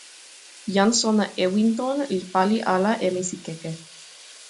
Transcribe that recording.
jan sona Ewinton li pali ala e misikeke.